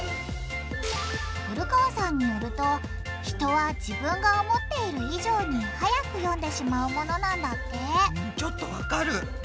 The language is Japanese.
古川さんによると人は自分が思っている以上にはやく読んでしまうものなんだってうんちょっとわかる。